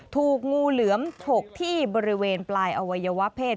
ถูกงูเหลือมฉกที่บริเวณปลายอวัยวะเพศ